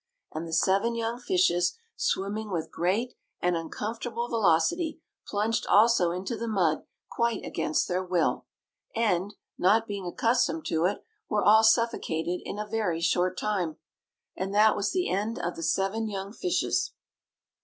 And the seven young fishes, swimming with great and uncomfortable velocity, plunged also into the mud quite against their will, and, not being accustomed to it, were all suffocated in a very short period. And that was the end of the seven young fishes.